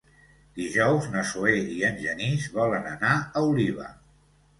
Dijous na Zoè i en Genís volen anar a Oliva.